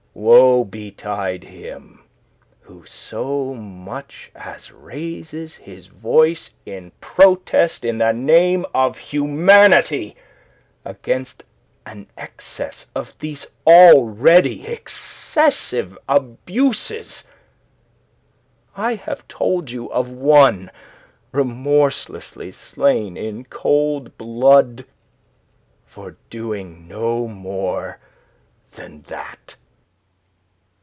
Woe betide him who so much as raises his voice in protest in the name of humanity against an excess of these already excessive abuses. I have told you of one remorselessly slain in cold blood for doing no more than that.